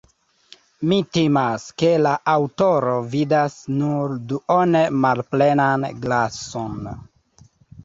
Mi timas, ke la aŭtoro vidas nur duone malplenan glason.